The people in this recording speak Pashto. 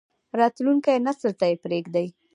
راتلونکی نسل ته یې پریږدئ